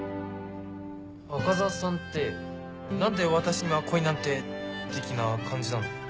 赤座さんって何で「私には恋なんて」的な感じなの？